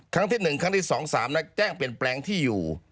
ครั้งที่๑ครั้งที่๒๓แจ้งเปลี่ยนแปลงที่อยู่